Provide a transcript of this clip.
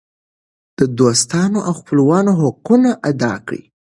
د دوستانو او خپلوانو حقونه ادا کړئ.